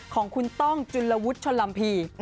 ของคุณต้องจุลวุฒิชนลัมภีร์